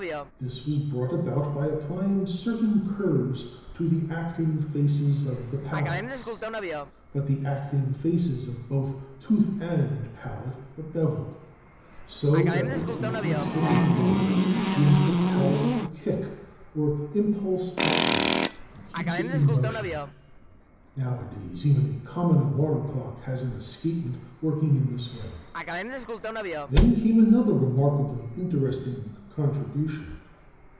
This was brought about by applying certain curves to the acting faces of the pallets. But the acting faces of both tooth and pallet are beveled, so that the tooth in slipping by gives the pallet a "kick" or impulse outward and keeps it in motion. Nowadays, even a common alarm clock has an escapement working in this way. Then came another remarkably interesting contribution.